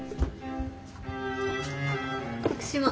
私も。